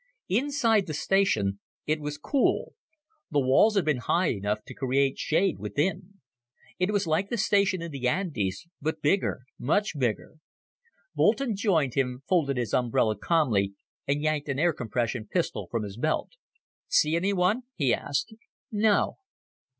Inside the station it was cool the walls had been high enough to create shade within. It was like the station in the Andes, but bigger, much bigger. Boulton joined him, folded his umbrella calmly, and yanked an air compression pistol from his belt. "See anyone?" he asked. "No."